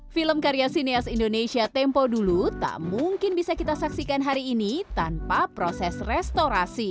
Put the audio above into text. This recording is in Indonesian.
film karya sinias indonesia tempo dulu tak mungkin bisa kita saksikan hari ini tanpa proses restorasi